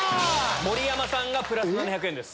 盛山さんがプラス７００円です。